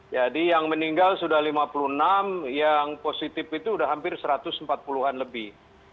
jadi yang meninggal sudah lima puluh enam yang positif itu sudah hampir satu ratus empat puluh an lebih